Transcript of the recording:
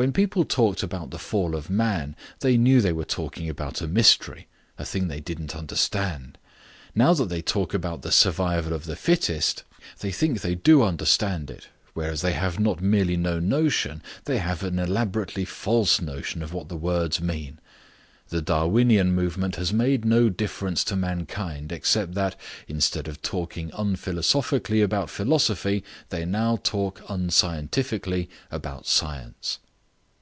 When people talked about the fall of man they knew they were talking about a mystery, a thing they didn't understand. Now that they talk about the survival of the fittest they think they do understand it, whereas they have not merely no notion, they have an elaborately false notion of what the words mean. The Darwinian movement has made no difference to mankind, except that, instead of talking unphilosophically about philosophy, they now talk unscientifically about science."